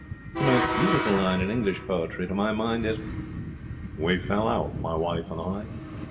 The most beautiful line in English poetry, to my mind, is, "We fell out, my wife and I."